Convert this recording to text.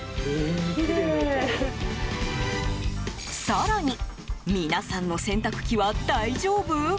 更に皆さんの洗濯機は大丈夫？